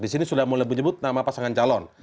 di sini sudah mulai menyebut nama pasangan calon